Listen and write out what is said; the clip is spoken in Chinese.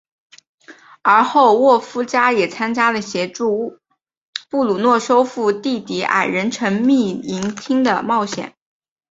而后沃夫加也参与了协助布鲁诺收复地底矮人城秘银厅的冒险。